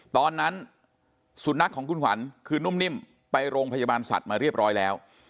ตอนนั้นสุนัขของคุณขวัญคือนุ่มนิ่มไปโรงพยาบาลสัตว์มาเรียบร้อยแล้ว